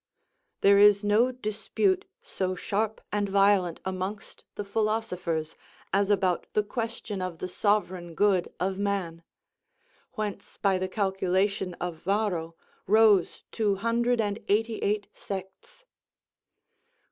There is no dispute so sharp and violent amongst the philosophers, as about the question of the sovereign good of man; whence, by the calculation of Varro, rose two hundred and eighty eight sects.